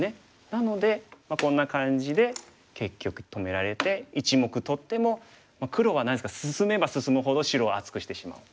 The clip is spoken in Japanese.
なのでこんな感じで結局止められて１目取っても黒は何ですか進めば進むほど白を厚くしてしまう。